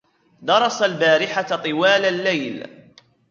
درس البارحة طوال الليل.